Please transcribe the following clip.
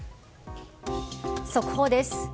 速報です。